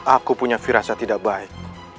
aku punya firasa tidak baik